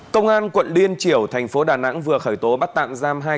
công an quận liên triểu tp đà nẵng vừa khởi tố bắt tạm giam hai công an